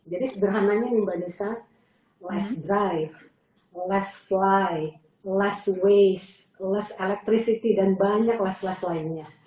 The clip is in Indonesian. jadi seberhananya nih mbak nisa less drive less fly less waste less electricity dan banyak less less lainnya